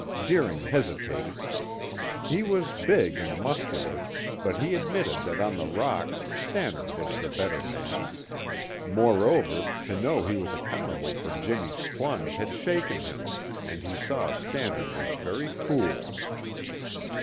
Deering hesitated. He was big and muscular, but he admitted that on the rocks Stannard was the better man. Moreover, to know he was accountable for Jimmy's plunge had shaken him, and he saw Stannard was very cool.